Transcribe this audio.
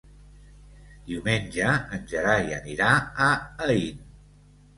Diumenge en Gerai anirà a Aín.